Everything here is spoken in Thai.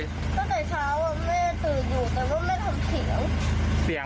ตั้งแต่เช้าแม่ตื่นอยู่แต่ว่าแม่ทำเสียง